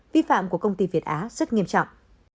vi phạm của công ty việt á rất nghiêm trọng